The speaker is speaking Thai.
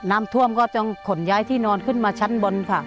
น้ำท่วมก็ต้องขนย้ายที่นอนขึ้นมาชั้นบนค่ะ